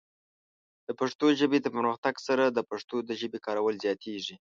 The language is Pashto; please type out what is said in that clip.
د پښتو ژبې د پرمختګ سره، د پښتنو د ژبې کارول زیاتېږي.